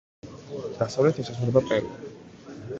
დასავლეთით ესაზღვრება პერუ.